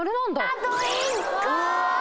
あと１個！